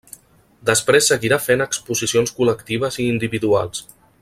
Després seguirà fent exposicions col·lectives i individuals.